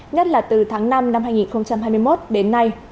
nhất là từ tháng năm năm hai nghìn hai mươi một đến nay